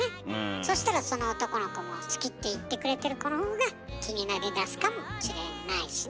そしたらその男の子も好きって言ってくれてる子の方が気になりだすかもしれないしね。